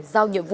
giao nhiệm vụ